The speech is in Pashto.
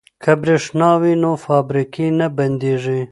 که بریښنا وي نو فابریکې نه بندیږي.